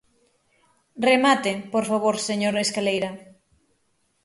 Remate, por favor, señor Escaleira.